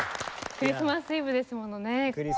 クリスマスイブですね